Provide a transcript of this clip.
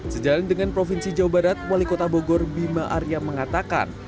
sejalan dengan provinsi jawa barat wali kota bogor bima arya mengatakan